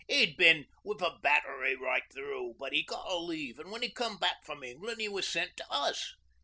'E'd bin with a Battery right through, but 'e got a leave an' when 'e come back from England 'e was sent to us.